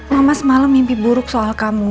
mama semalam mimpi buruk soal kamu